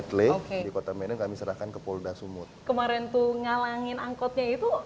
terima kasih di kota medan kami serahkan ke polda sumut kemarin tuh ngalangin angkotnya itu